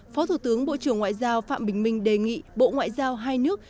phó thủ tướng bộ trưởng ngoại giao phạm bình minh đề nghị bộ ngoại giao hai nước